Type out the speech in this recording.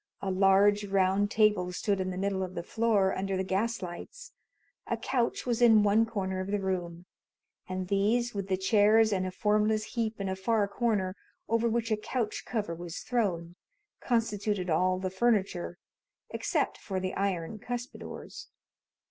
A large, round table stood in the middle of the floor under the gas lights; a couch was in one corner of the room; and these, with the chairs and a formless heap in a far corner, over which a couch cover was thrown, constituted all the furniture, except for the iron cuspidors.